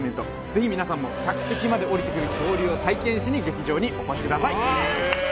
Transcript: ぜひ皆さんも客席までおりてくる恐竜を体験しに劇場にお越しください